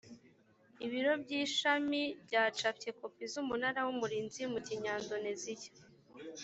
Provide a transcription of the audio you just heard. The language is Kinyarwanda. ibiro by ishami byacapye kopi z umunara w umurinzi mu kinyandoneziya